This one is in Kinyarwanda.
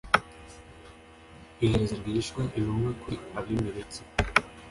yohereza rwihishwa intumwa kuri abimeleki